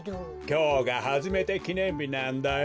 きょうがはじめてきねんびなんだよ。